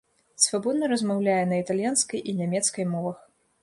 Свабодна размаўляе на італьянскай і нямецкай мовах.